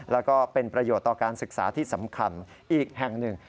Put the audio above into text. แล้วก็เป็นประโยชน์ต่อการศึกษาที่สำคัญอีกแห่งหนึ่ง